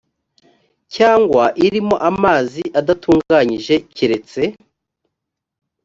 cyangwa irimo amazi adatunganyijwe keretse